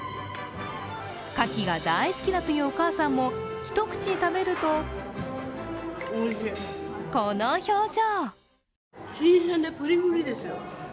かきが大好きだというお母さんも一口食べるとこの表情。